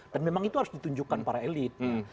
dan memang itu harus ditunjukkan para elit